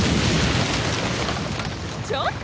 ちょっと！